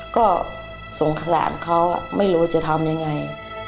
ก็สงสารเขาไม่รู้จะทำยังไง